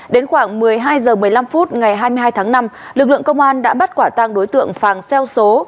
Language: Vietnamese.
đến khoảng một mươi hai h một mươi năm phút ngày hai mươi hai tháng năm lực lượng công an đã bắt quả tăng đối tượng phàng xeo số